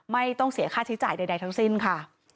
ไม่ต้องเสียค่าใช้จ่ายใดทั้งสิ้นค่ะ